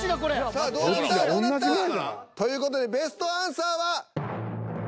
さあどうなったどうなった。という事でベストアンサーは。